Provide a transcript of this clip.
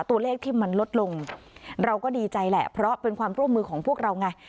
ตัวเลขที่มันลดลงเราก็ดีใจแหละเพราะเป็นความร่วมมือของพวกเราไง